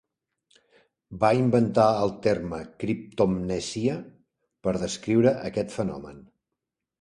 Va inventar el terme criptomnesia per descriure aquest fenomen.